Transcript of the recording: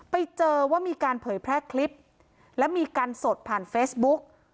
ไปเจอว่ามีการเผยแพร่คลิปและมีการสดผ่านเฟซบุ๊ก